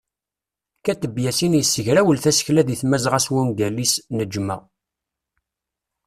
Kateb Yasin yessegrawel tasekla deg Tmazɣa s wungal-is "Neǧma'.